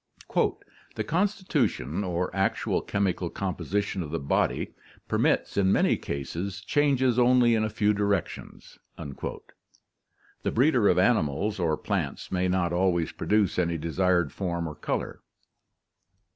— "The constitu tion, or actual chemical composition of the body, permits, in many cases, changes only in a few directions." The breeder of animals or plants may not always produce any desired form or color.